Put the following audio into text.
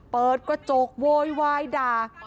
เปิดกระจกโวยวายด่า